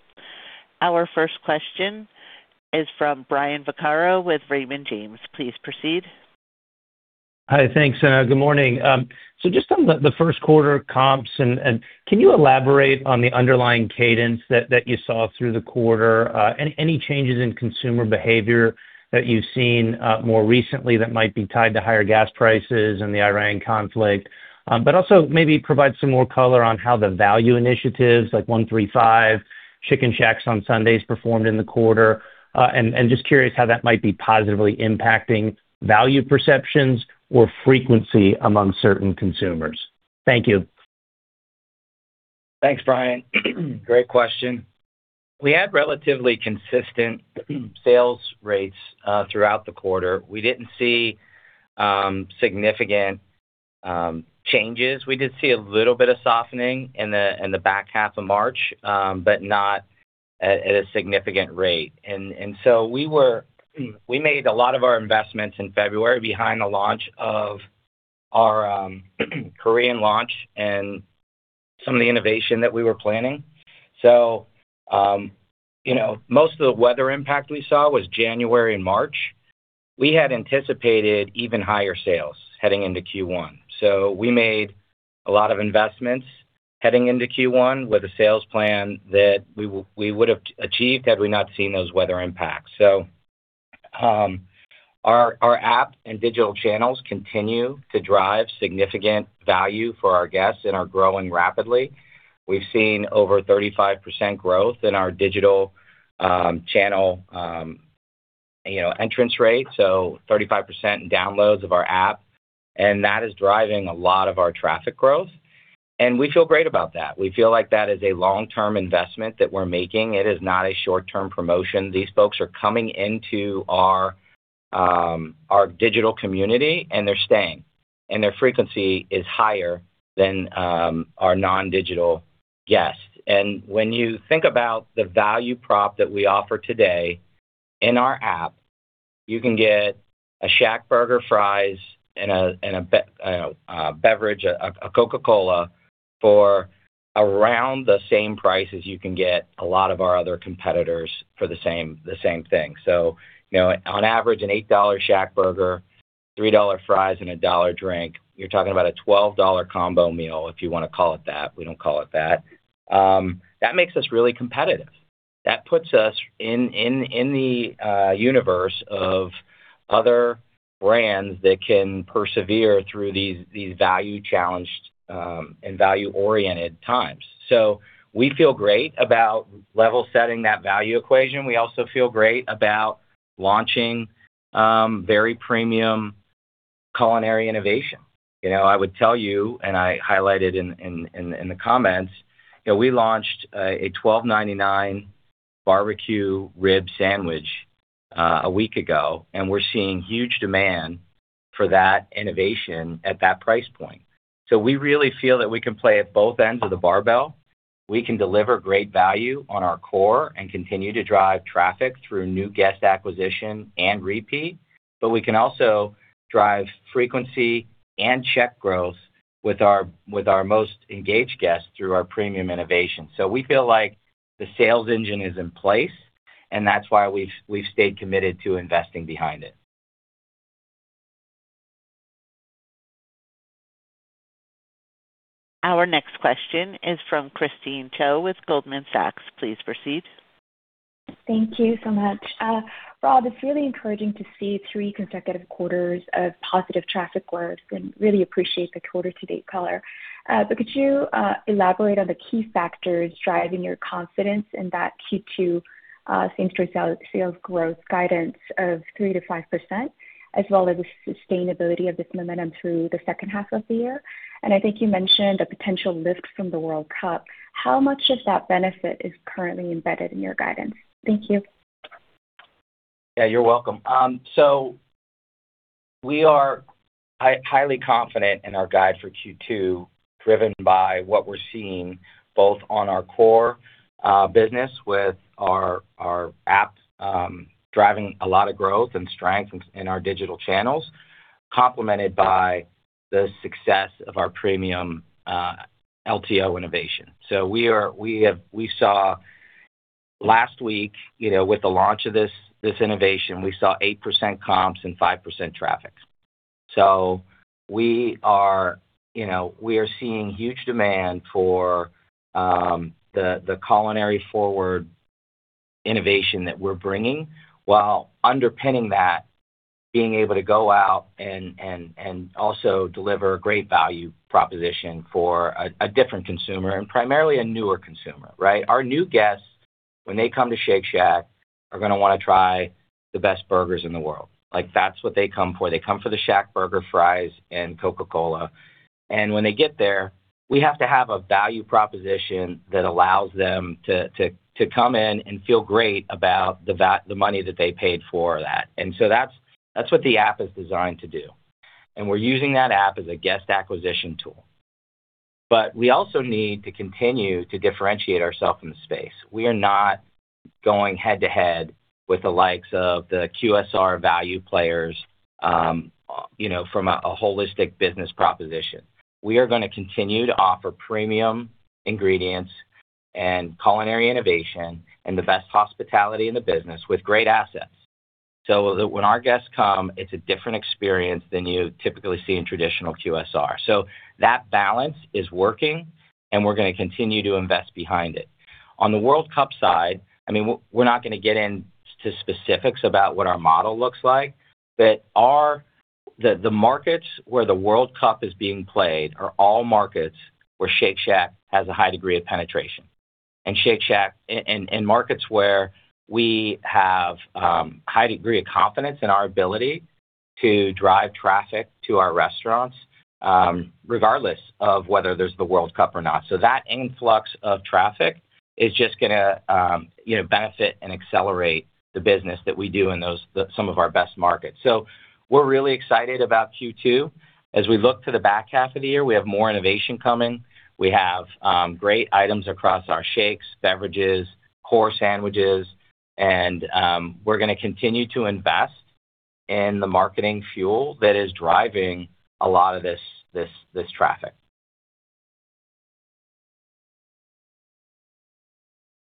Our first question is from Brian Vaccaro with Raymond James. Please proceed. Hi. Thanks. Good morning. Just on the first quarter comps and can you elaborate on the underlying cadence that you saw through the quarter? Any changes in consumer behavior that you've seen more recently that might be tied to higher gas prices and the Iran conflict? Also maybe provide some more color on how the value initiatives like 1-3-5, Chicken Shack on Sundays performed in the quarter. Just curious how that might be positively impacting value perceptions or frequency among certain consumers. Thank you. Thanks, Brian. Great question. We had relatively consistent sales rates throughout the quarter. We didn't see significant changes. We did see a little bit of softening in the back half of March, but not at a significant rate. We made a lot of our investments in February behind the launch of our Korean launch and some of the innovation that we were planning. You know, most of the weather impact we saw was January and March. We had anticipated even higher sales heading into Q1. We made a lot of investments heading into Q1 with a sales plan that we would have achieved had we not seen those weather impacts. Our app and digital channels continue to drive significant value for our guests and are growing rapidly. We've seen over 35% growth in our digital, you know, entrance rate, so 35% downloads of our app, and that is driving a lot of our traffic growth, and we feel great about that. We feel like that is a long-term investment that we're making. It is not a short-term promotion. These folks are coming into our digital community, and they're staying, and their frequency is higher than our non-digital guests. When you think about the value prop that we offer today in our app, you can get a ShackBurger, fries and a beverage, a Coca-Cola for around the same price as you can get a lot of our other competitors for the same thing. You know, on average an $8 ShackBurger, $3 fries and a $1 drink, you're talking about a $12 combo meal, if you want to call it that. We don't call it that. That makes us really competitive. That puts us in the universe of other brands that can persevere through these value challenged and value-oriented times. We feel great about level setting that value equation. We also feel great about launching very premium culinary innovation. You know, I would tell you, and I highlighted in the comments, you know, we launched a $12.99 barbecue rib sandwich a week ago, and we're seeing huge demand for that innovation at that price point. We really feel that we can play at both ends of the barbell. We can deliver great value on our core and continue to drive traffic through new guest acquisition and repeat, but we can also drive frequency and check growth with our most engaged guests through our premium innovation. We feel like the sales engine is in place, and that's why we've stayed committed to investing behind it. Our next question is from Christine Cho with Goldman Sachs. Please proceed. Thank you so much. Rob, it's really encouraging to see three consecutive quarters of positive traffic growth and really appreciate the quarter to date color. Could you elaborate on the key factors driving your confidence in that Q2 same-store sales growth guidance of 3%-5%, as well as the sustainability of this momentum through the second half of the year? I think you mentioned a potential lift from the World Cup. How much of that benefit is currently embedded in your guidance? Thank you. You're welcome. We are highly confident in our guide for Q2, driven by what we're seeing both on our core business with our app driving a lot of growth and strength in our digital channels, complemented by the success of our premium LTO innovation. We saw last week, you know, with the launch of this innovation, we saw 8% comps and 5% traffic. We are, you know, we are seeing huge demand for the culinary forward innovation that we're bringing, while underpinning that, being able to go out and also deliver great value proposition for a different consumer and primarily a newer consumer, right? Our new guests, when they come to Shake Shack, are gonna wanna try the best burgers in the world. Like, that's what they come for. They come for the ShackBurger, fries and Coca-Cola. When they get there, we have to have a value proposition that allows them to come in and feel great about the money that they paid for that. That's what the app is designed to do, and we're using that app as a guest acquisition tool. We also need to continue to differentiate ourself in the space. We are not going head-to-head with the likes of the QSR value players, you know, from a holistic business proposition. We are gonna continue to offer premium ingredients and culinary innovation and the best hospitality in the business with great assets, so that when our guests come, it's a different experience than you typically see in traditional QSR. That balance is working, and we're gonna continue to invest behind it. On the World Cup side, I mean, we're not gonna get into specifics about what our model looks like. The markets where the World Cup is being played are all markets where Shake Shack has a high degree of penetration. Shake Shack in markets where we have high degree of confidence in our ability to drive traffic to our restaurants, regardless of whether there's the World Cup or not. That influx of traffic is just gonna, you know, benefit and accelerate the business that we do in those, some of our best markets. We're really excited about Q2. As we look to the back half of the year, we have more innovation coming. We have great items across our shakes, beverages, core sandwiches, and we're gonna continue to invest. The marketing fuel that is driving a lot of this traffic.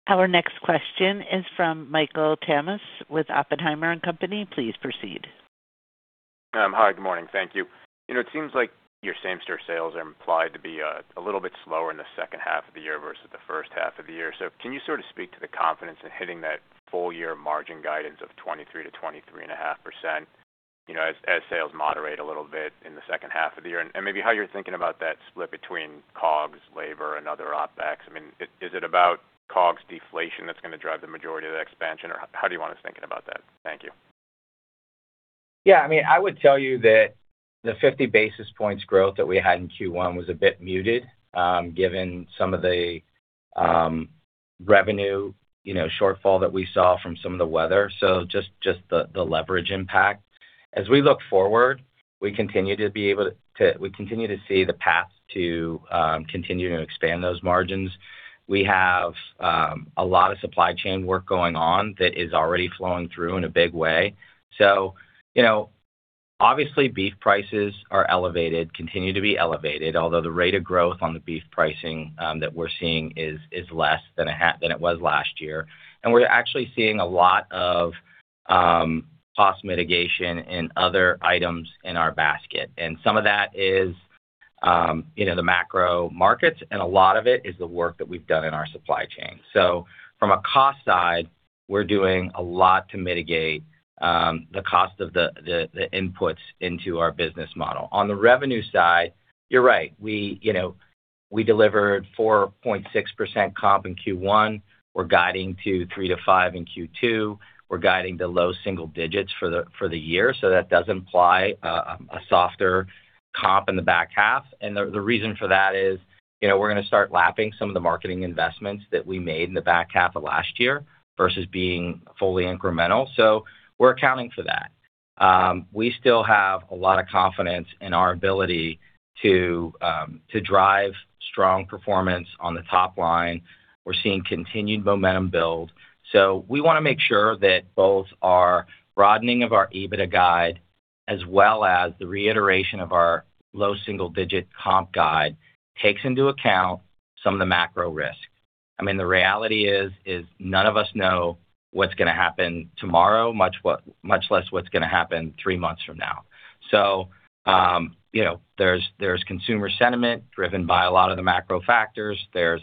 Our next question is from Michael Tamas with Oppenheimer & Co. Please proceed. Hi, good morning. Thank you. You know, it seems like your same-store sales are implied to be a little bit slower in the second half of the year versus the first half of the year. Can you sort of speak to the confidence in hitting that full year margin guidance of 23%-23.5%, you know, as sales moderate a little bit in the second half of the year? Maybe how you're thinking about that split between COGS, labor, and other OpEx. I mean, is it about COGS deflation that's gonna drive the majority of the expansion or how do you want us thinking about that? Thank you. Yeah, I mean, I would tell you that the 50 basis points growth that we had in Q1 was a bit muted, given some of the revenue, you know, shortfall that we saw from some of the weather. Just the leverage impact. As we look forward, we continue to see the path to continue to expand those margins. We have a lot of supply chain work going on that is already flowing through in a big way. You know, obviously, beef prices are elevated, continue to be elevated, although the rate of growth on the beef pricing that we're seeing is less than a half than it was last year. We're actually seeing a lot of cost mitigation in other items in our basket. Some of that is, you know, the macro markets, and a lot of it is the work that we've done in our supply chain. From a cost side, we're doing a lot to mitigate the cost of the inputs into our business model. On the revenue side, you're right. We, you know, we delivered 4.6% comp in Q1. We're guiding to 3%-5% in Q2. We're guiding to low single digits for the year. That does imply a softer comp in the back half. The reason for that is, you know, we're gonna start lapping some of the marketing investments that we made in the back half of last year versus being fully incremental. We're accounting for that. We still have a lot of confidence in our ability to drive strong performance on the top line. We're seeing continued momentum build. We wanna make sure that both our broadening of our EBITDA guide as well as the reiteration of our low single-digit comp guide takes into account some of the macro risks. I mean, the reality is, none of us know what's gonna happen tomorrow, much less what's gonna happen three months from now. You know, there's consumer sentiment driven by a lot of the macro factors. There's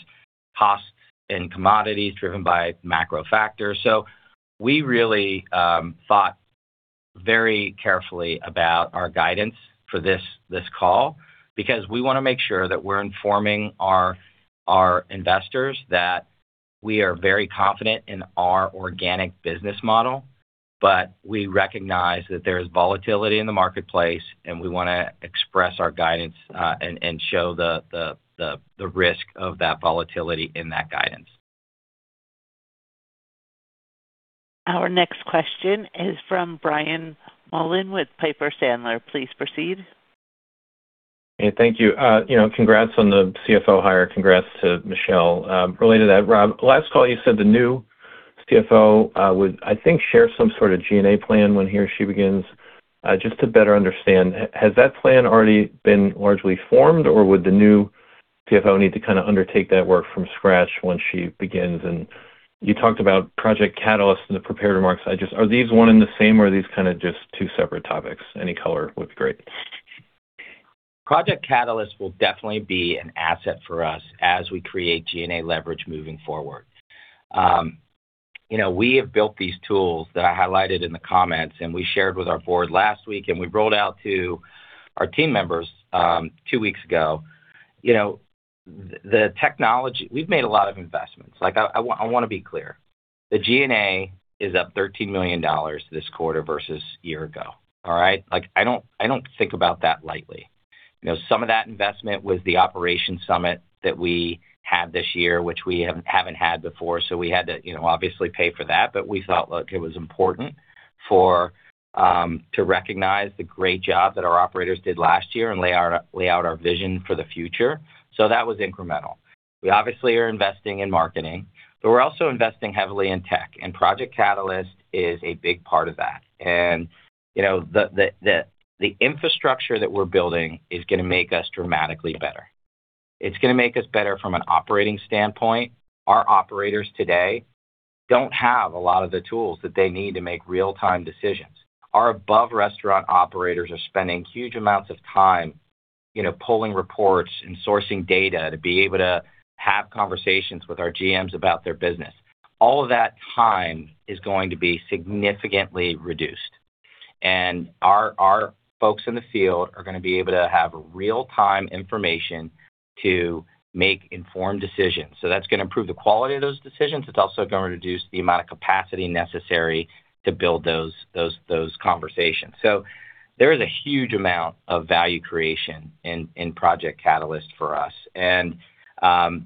costs in commodities driven by macro factors. We really thought very carefully about our guidance for this call because we wanna make sure that we're informing our investors that we are very confident in our organic business model, but we recognize that there is volatility in the marketplace, and we wanna express our guidance and show the risk of that volatility in that guidance. Our next question is from Brian Mullan with Piper Sandler. Please proceed. Thank you. You know, congrats on the CFO hire. Congrats to Michelle. Related to that, Rob, last call you said the new CFO would I think share some sort of G&A plan when he or she begins. Just to better understand, has that plan already been largely formed, or would the new CFO need to kinda undertake that work from scratch when she begins? You talked about Project Catalyst in the prepared remarks. Are these one and the same, or are these kinda just two separate topics? Any color would be great. Project Catalyst will definitely be an asset for us as we create G&A leverage moving forward. You know, we have built these tools that I highlighted in the comments, and we shared with our board last week, and we rolled out to our team members, two weeks ago. You know, we've made a lot of investments. Like, I want to be clear. The G&A is up $13 million this quarter versus year-ago, all right. Like, I don't think about that lightly. You know, some of that investment was the Operations Leadership Summit that we had this year, which we haven't had before, so we had to, you know, obviously pay for that. We thought, look, it was important for to recognize the great job that our operators did last year and lay out our vision for the future. That was incremental. We obviously are investing in marketing, but we're also investing heavily in tech, and Project Catalyst is a big part of that. You know, the infrastructure that we're building is gonna make us dramatically better. It's gonna make us better from an operating standpoint. Our operators today don't have a lot of the tools that they need to make real-time decisions. Our above restaurant operators are spending huge amounts of time, you know, pulling reports and sourcing data to be able to have conversations with our GMs about their business. All of that time is going to be significantly reduced. Our folks in the field are going to be able to have real-time information to make informed decisions. That's going to improve the quality of those decisions. It's also going to reduce the amount of capacity necessary to build those conversations. There is a huge amount of value creation in Project Catalyst for us. To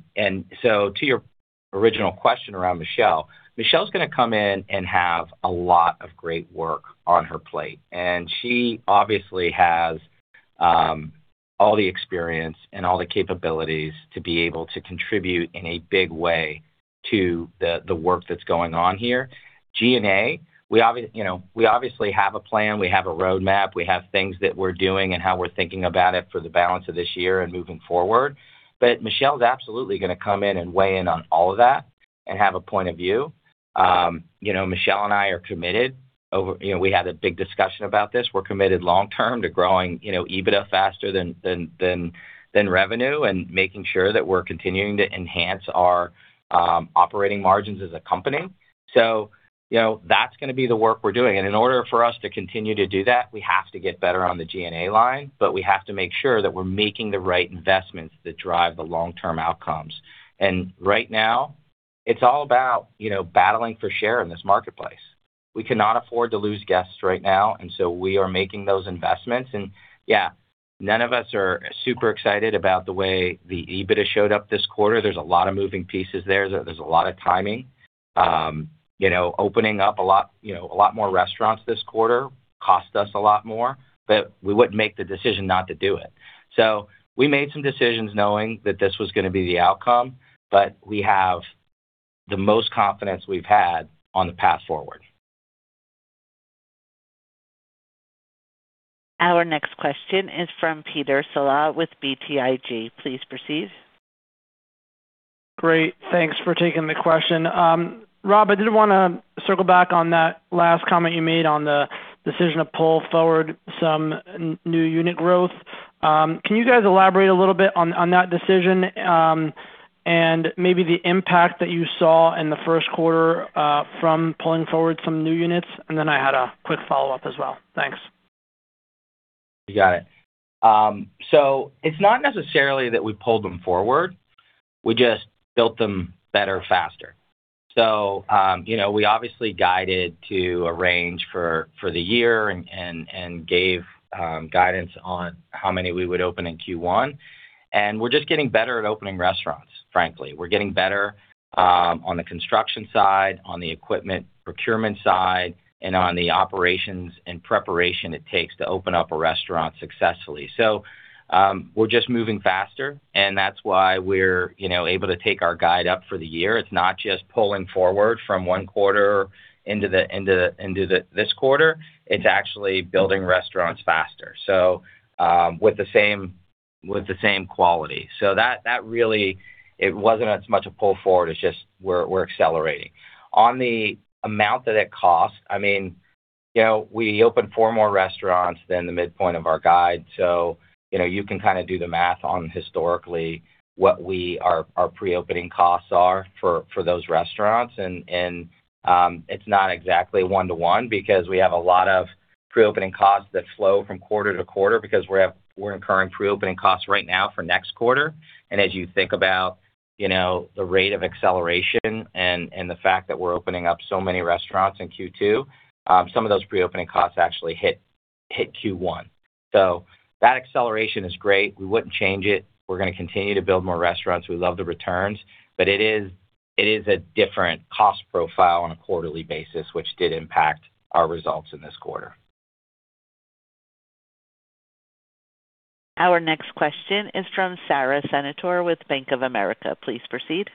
your original question around Michelle is going to come in and have a lot of great work on her plate. She obviously has all the experience and all the capabilities to be able to contribute in a big way to the work that's going on here. G&A, you know, we obviously have a plan, we have a roadmap, we have things that we're doing and how we're thinking about it for the balance of this year and moving forward. Michelle's absolutely gonna come in and weigh in on all of that and have a point of view. You know, Michelle and I are committed, you know, we had a big discussion about this. We're committed long term to growing, you know, EBITDA faster than revenue and making sure that we're continuing to enhance our operating margins as a company. You know, that's gonna be the work we're doing. In order for us to continue to do that, we have to get better on the G&A line, but we have to make sure that we're making the right investments that drive the long-term outcomes. Right now, it's all about, you know, battling for share in this marketplace. We cannot afford to lose guests right now, and so we are making those investments. Yeah, none of us are super excited about the way the EBITDA showed up this quarter. There's a lot of moving pieces there. There's a lot of timing. You know, opening up a lot more restaurants this quarter cost us a lot more, but we wouldn't make the decision not to do it. We made some decisions knowing that this was gonna be the outcome, but we have the most confidence we've had on the path forward. Our next question is from Peter Saleh with BTIG. Please proceed. Great. Thanks for taking the question. Rob, I did wanna circle back on that last comment you made on the decision to pull forward some new unit growth. Can you guys elaborate a little bit on that decision and maybe the impact that you saw in the first quarter from pulling forward some new units? I had a quick follow-up as well. Thanks. You got it. It's not necessarily that we pulled them forward. We just built them better, faster. You know, we obviously guided to a range for the year and gave guidance on how many we would open in Q1. We're just getting better at opening restaurants, frankly. We're getting better on the construction side, on the equipment procurement side, and on the operations and preparation it takes to open up a restaurant successfully. We're just moving faster, and that's why we're, you know, able to take our guide up for the year. It's not just pulling forward from one quarter into this quarter. It's actually building restaurants faster. With the same quality. That really it wasn't as much a pull forward, it's just we're accelerating. On the amount that it costs, I mean, you know, we opened four more restaurants than the midpoint of our guide. You know, you can kind of do the math on historically what our pre-opening costs are for those restaurants. It's not exactly one to one because we have a lot of pre-opening costs that flow from quarter-to-quarter because we're incurring pre-opening costs right now for next quarter. As you think about, you know, the rate of acceleration and the fact that we're opening up so many restaurants in Q2, some of those pre-opening costs actually hit Q1. That acceleration is great. We wouldn't change it. We're gonna continue to build more restaurants. We love the returns. It is a different cost profile on a quarterly basis, which did impact our results in this quarter. Our next question is from Sara Senatore with Bank of America. Please proceed.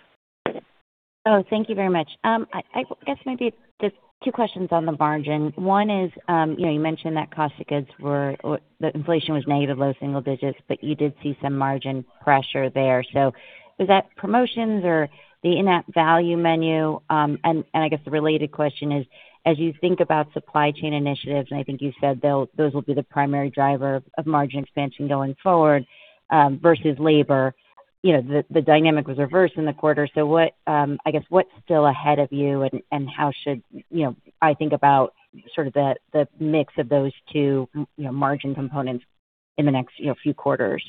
Thank you very much. I guess maybe just two questions on the margin. One is, you know, you mentioned that cost of goods or the inflation was negative low single digits, but you did see some margin pressure there. Is that promotions or the in-app value menu? I guess the related question is, as you think about supply chain initiatives, and I think you said those will be the primary driver of margin expansion going forward, versus labor. You know, the dynamic was reversed in the quarter. What, I guess, what's still ahead of you and how should, you know, I think about sort of the mix of those two, you know, margin components in the next, you know, few quarters?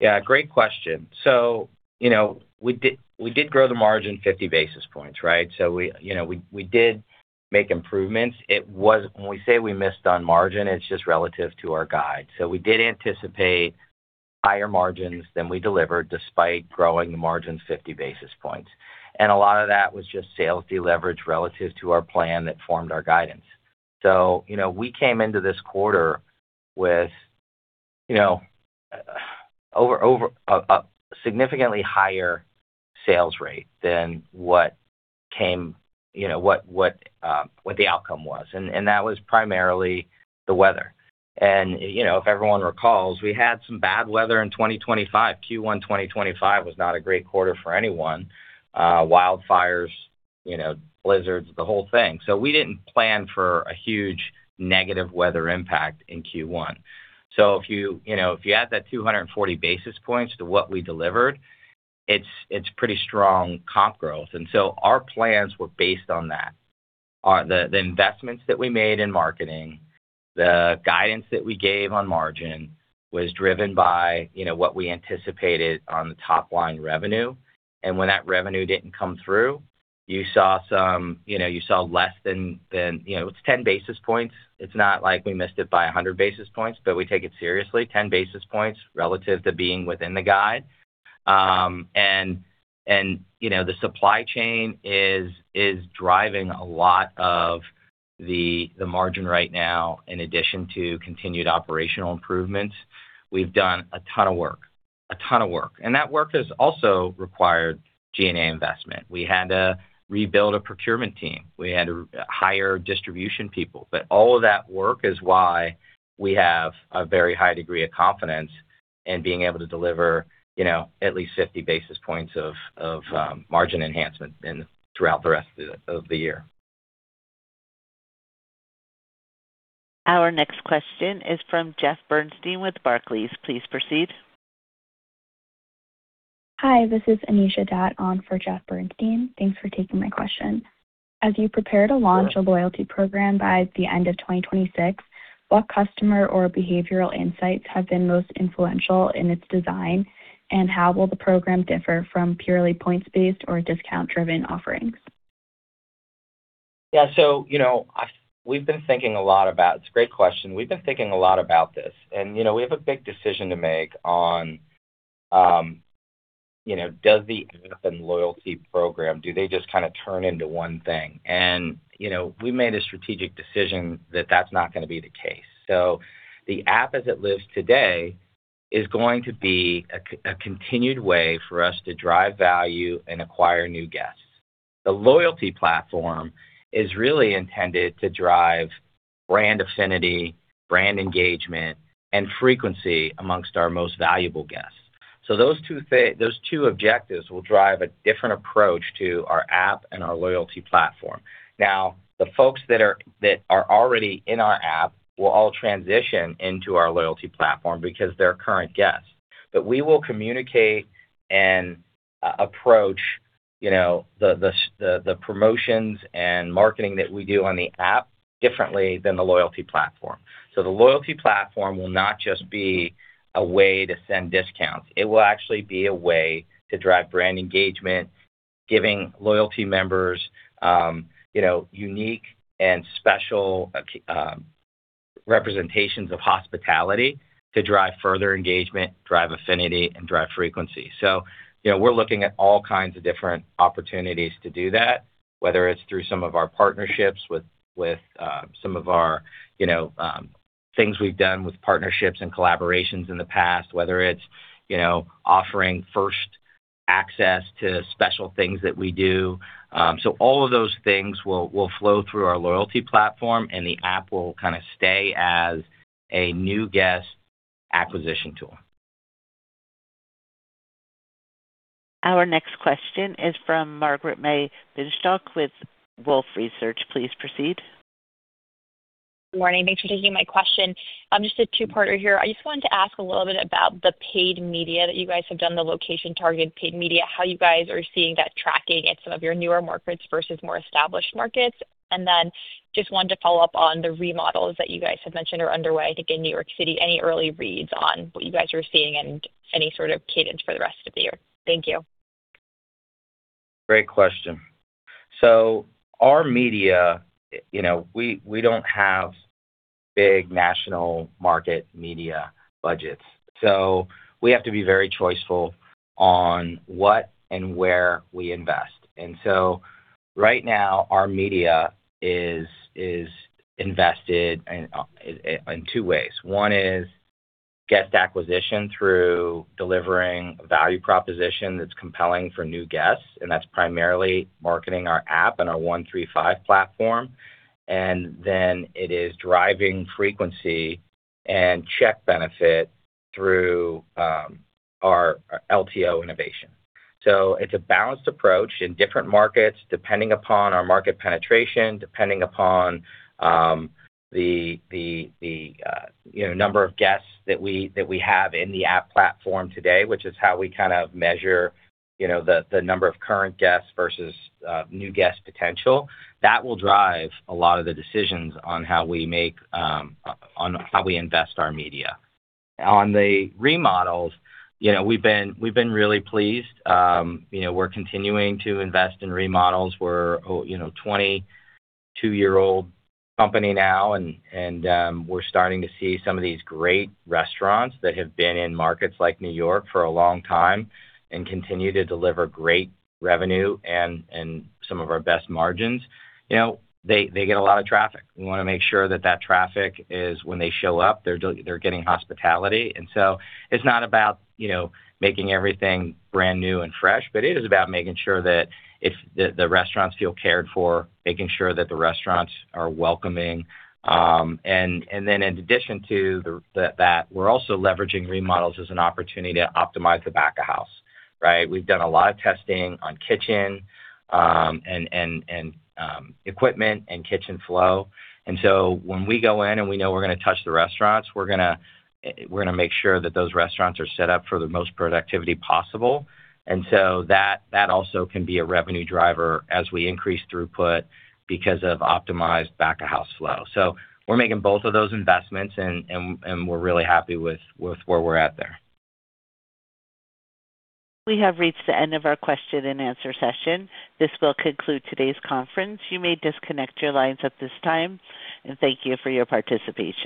Yeah, great question. You know, we did grow the margin 50 basis points, right? We, you know, we did make improvements. When we say we missed on margin, it is just relative to our guide. We did anticipate higher margins than we delivered despite growing the margin 50 basis points. A lot of that was just sales deleverage relative to our plan that formed our guidance. You know, we came into this quarter with, you know, over a significantly higher sales rate than what came, you know, what the outcome was. And that was primarily the weather. You know, if everyone recalls, we had some bad weather in 2025. Q1 2025 was not a great quarter for anyone. Wildfires, you know, blizzards, the whole thing. We didn't plan for a huge negative weather impact in Q1. If you know, if you add that 240 basis points to what we delivered, it's pretty strong comp growth. Our plans were based on that. The investments that we made in marketing, the guidance that we gave on margin was driven by, you know, what we anticipated on the top line revenue. When that revenue didn't come through, you saw some, you know, you saw less than, you know, it's 10 basis points. It's not like we missed it by 100 basis points, we take it seriously. 10 basis points relative to being within the guide. You know, the supply chain is driving a lot of the margin right now in addition to continued operational improvements. We've done a ton of work, that work has also required G&A investment. We had to rebuild a procurement team. We had to hire distribution people. All of that work is why we have a very high degree of confidence in being able to deliver, you know, at least 50 basis points of margin enhancement throughout the rest of the year. Our next question is from Jeffrey Bernstein with Barclays. Please proceed. Hi, this is Anisha Datt on for Jeffrey Bernstein. Thanks for taking my question. As you prepare to launch a loyalty program by the end of 2026, what customer or behavioral insights have been most influential in its design, and how will the program differ from purely points-based or discount-driven offerings? Yeah. You know, We've been thinking a lot about It's a great question. We've been thinking a lot about this and, you know, we have a big decision to make on, you know, does the app and loyalty program, do they just kinda turn into one thing? You know, we made a strategic decision that that's not gonna be the case. The app as it lives today is going to be a continued way for us to drive value and acquire new guests. The loyalty platform is really intended to drive brand affinity, brand engagement, and frequency amongst our most valuable guests. Those two objectives will drive a different approach to our app and our loyalty platform. The folks that are already in our app will all transition into our loyalty platform because they're current guests. We will communicate and approach the promotions and marketing that we do on the app differently than the loyalty platform. The loyalty platform will not just be a way to send discounts. It will actually be a way to drive brand engagement, giving loyalty members unique and special representations of hospitality to drive further engagement, drive affinity, and drive frequency. We're looking at all kinds of different opportunities to do that, whether it's through some of our partnerships with some of our things we've done with partnerships and collaborations in the past, whether it's offering first access to special things that we do. All of those things will flow through our loyalty platform, and the app will kinda stay as a new guest acquisition tool. Our next question is from Margaret-May Binshtok with Wolfe Research. Please proceed. Morning. Thanks for taking my question. Just a two-parter here. I just wanted to ask a little bit about the paid media that you guys have done, the location targeted paid media, how you guys are seeing that tracking in some of your newer markets versus more established markets. Just wanted to follow up on the remodels that you guys have mentioned are underway, I think in New York City. Any early reads on what you guys are seeing and any sort of cadence for the rest of the year? Thank you. Great question. Our media, you know, we don't have big national market media budgets, we have to be very choiceful on what and where we invest. Right now, our media is invested in two ways. One is guest acquisition through delivering value proposition that's compelling for new guests, and that's primarily marketing our app and our 1-3-5 platform. It is driving frequency and check benefit through our LTO innovation. It's a balanced approach in different markets, depending upon our market penetration, depending upon the, you know, number of guests that we have in the app platform today, which is how we kind of measure, you know, the number of current guests versus new guest potential. That will drive a lot of the decisions on how we make, on how we invest our media. On the remodels, you know, we've been really pleased. You know, we're continuing to invest in remodels. We're, you know, a 22-year-old company now and we're starting to see some of these great restaurants that have been in markets like New York for a long time and continue to deliver great revenue and some of our best margins. You know, they get a lot of traffic. We wanna make sure that that traffic is when they show up, they're getting hospitality. It's not about, you know, making everything brand new and fresh, but it is about making sure that if the restaurants feel cared for, making sure that the restaurants are welcoming. Then in addition to that, we're also leveraging remodels as an opportunity to optimize the back of house, right? We've done a lot of testing on kitchen and equipment and kitchen flow. When we go in and we know we're gonna touch the restaurants, we're gonna make sure that those restaurants are set up for the most productivity possible. That also can be a revenue driver as we increase throughput because of optimized back of house flow. We're making both of those investments and we're really happy with where we're at there. We have reached the end of our question-and-answer session. This will conclude today's conference. You may disconnect your lines at this time. Thank you for your participation.